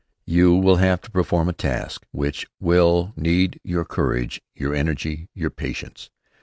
You have to perform a task which will need your courage, your energy, your patience.